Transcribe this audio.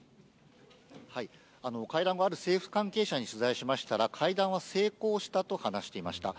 会談後、ある政府関係者に取材しましたら、会談は成功したと話していました。